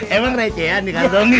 emang recehan dikandungin